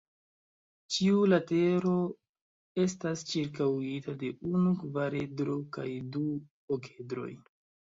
Ĉiu latero estas ĉirkaŭita de unu kvaredro kaj du okedroj.